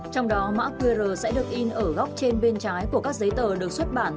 trong đó mã qr sẽ được in ở góc trên bên trái của các giấy tờ được xuất bản